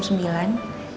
flightnya jam sembilan